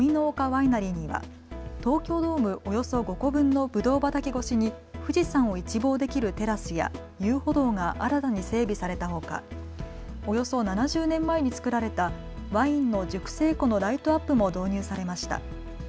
ワイナリーには東京ドームおよそ５個分のぶどう畑越しに富士山を一望できるテラスや遊歩道が新たに整備されたほかおよそ７０年前に作られたワインの熟成庫のライトアップも導入されました。